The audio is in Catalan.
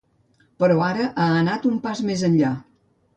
Però ara ha anat un pas més enllà.